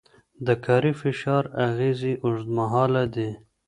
د کاري فشار اغېزې اوږدمهاله دي.